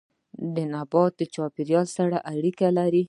نبات د چاپيريال سره اړيکه لري